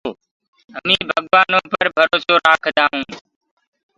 همي ڀگوآنو پر ڀروسو رآکدآ هونٚ۔